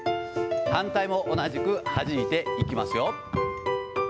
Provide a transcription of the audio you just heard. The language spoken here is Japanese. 反対も同じくはじいていきますよ。